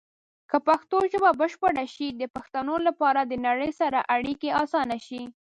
که پښتو ژبه بشپړه شي، د پښتنو لپاره د نړۍ سره اړیکې اسانه شي.